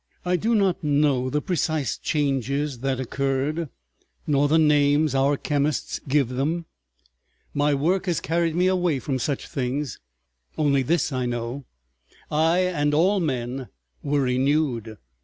I do not know the precise changes that occurred, nor the names our chemists give them, my work has carried me away from such things, only this I know—I and all men were renewed.